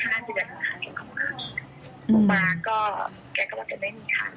หลังจากนั้นแกก็ว่าจะไม่มีค่ะ